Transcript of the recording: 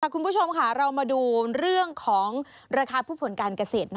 คุณผู้ชมค่ะเรามาดูเรื่องของราคาพืชผลการเกษตร